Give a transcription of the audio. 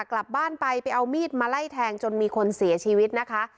กลับบ้านไปไปเอามีดมาไล่แทงจนมีคนเสียชีวิตนะคะ